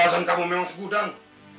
alasan kamu memang segudang